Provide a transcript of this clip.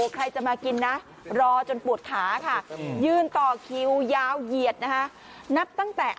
ใครจะมากินนะรอจนปวดขาค่ะ